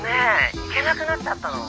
行けなくなっちゃったの。